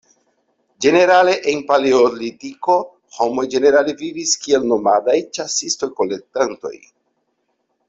Ĝenerale en Paleolitiko, homoj ĝenerale vivis kiel nomadaj ĉasisto-kolektantoj.